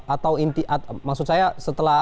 atau maksud saya setelah